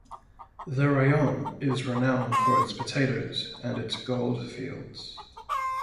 The rayon is renowned for its potatoes and its gold fields.